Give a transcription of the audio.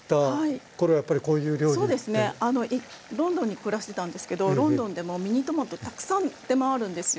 ロンドンに暮らしてたんですけどロンドンでもミニトマトたくさん出回るんですよ。